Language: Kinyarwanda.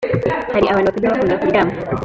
hari abantu batajya bakunda kuryama